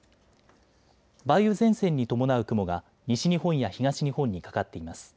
梅雨前線に伴う雲が西日本や東日本にかかっています。